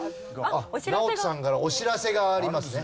ナオトさんからお知らせがあります。